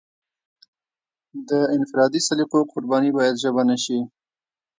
د انفرادي سلیقو قرباني باید ژبه نشي.